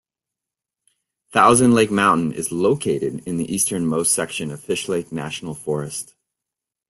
Thousand Lake Mountain is located in the easternmost section of Fishlake National Forest.